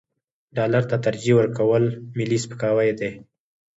ډالر ته ترجیح ورکول ملي سپکاوی دی.